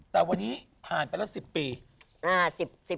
แต่วันนี้ผ่านไปแล้ว๑๐ปี